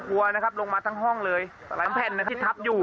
ครัวนะครับลงมาทั้งห้องเลยทั้งแผ่นนะครับที่ทับอยู่